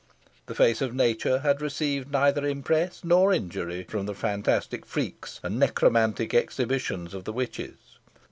The face of nature had received neither impress nor injury from the fantastic freaks and necromantic exhibitions of the witches.